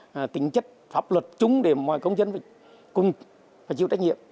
và tính chất pháp luật chúng để mọi công dân cùng và chịu trách nhiệm